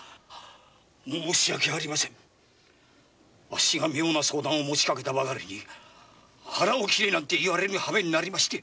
あっしが妙な相談を持ち掛けたばかりに腹を切れなんて言われる羽目になりまして。